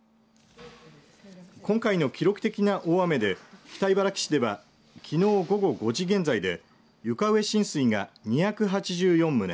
今回の記録的な大雨で北茨城市ではきのう午後５時現在で床上浸水が２８４棟